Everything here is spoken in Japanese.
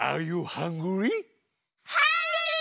ハングリー！